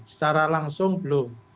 secara langsung belum